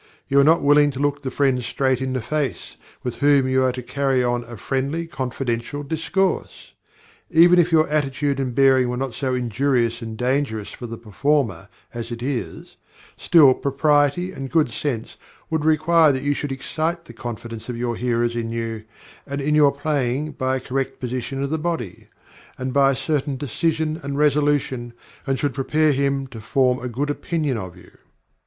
You are not willing to look the friend straight in the face, with whom you are to carry on a friendly, confidential discourse! Even if your attitude and bearing were not so injurious and dangerous for the performer as it is, still propriety and good sense would require that you should excite the confidence of your hearers in you and in your playing by a correct position of the body, and by a certain decision and resolution, and should prepare him to form a good opinion of you.